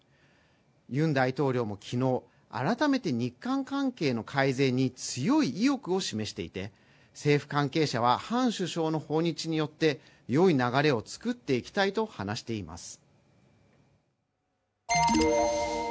ユン大統領も昨日、改めて日韓関係の改善に強い意欲を示していて政府関係者はハン首相の訪日によってよい流れを作っていきたいと話しています。